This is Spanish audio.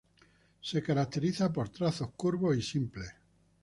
Se caracteriza por trazos curvos y simples.